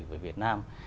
của việt nam